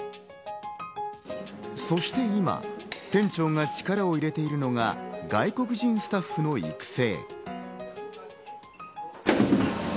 そして今、店長が力を入れているのが外国人スタッフの育成。